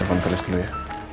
cepengnya dulu ya